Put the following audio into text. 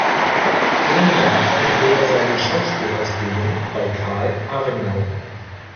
Landa erhielt seine Schauspielausbildung bei Karl Arnau.